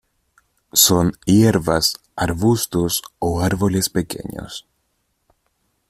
Son hierbas, arbustos o árboles pequeños.